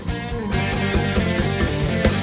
ก็จะมีความสุขมากกว่าทุกคนค่ะ